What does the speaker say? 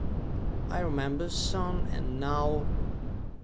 "I remember, son, and now?..."